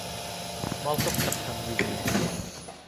Балҡып сыҡһын йөҙөңә!